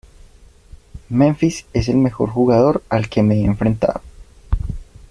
Memphis es el mejor jugador al que me he enfrentado.